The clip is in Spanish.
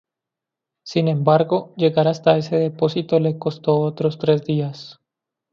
Sin embargo, llegar hasta ese depósito le costó otros tres días.